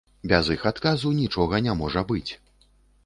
Без іх адказу нічога не можа быць.